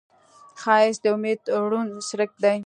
ښایست د امید روڼ څرک دی